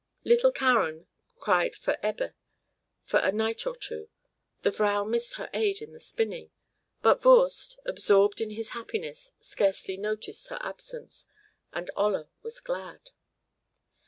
Little Karen cried for "Ebbe" for a night or two, the Vrow missed her aid in the spinning, but Voorst, absorbed in his happiness, scarcely noted her absence, and Olla was glad.